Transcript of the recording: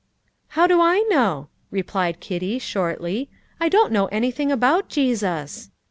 "How do I know?" replied Kitty shortly. "I don't know anything about Jesus."